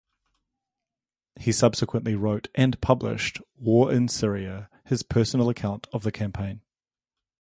He subsequently wrote and published "War in Syria", his personal account of the campaign.